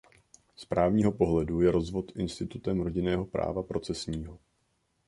Z právního pohledu je rozvod institutem rodinného práva procesního.